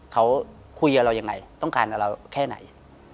เขาคุยกับเรายังไงต้องการกับเราแค่ไหน